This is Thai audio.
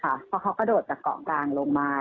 เพราะเขากระโดดจากเกาะกลางลงมา